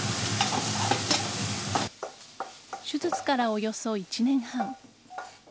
手術からおよそ１年半。